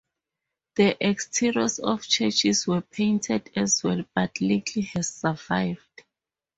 The exteriors of churches were painted as well, but little has survived.